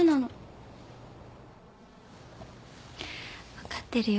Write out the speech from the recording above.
分かってるよ。